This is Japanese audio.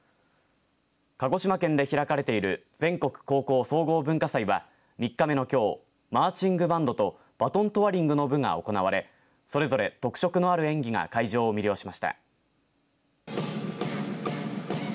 鹿児島県で開かれている全国高校総合文化祭は３日目のきょうマーチングバンドとバトントワリングの部が行われそれぞれ特色のある演技が会場を魅了しました。